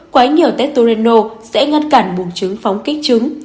quá nhiều testoreno sẽ ngăn cản bùng trứng phóng kích trứng